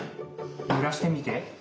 ゆらしてみて。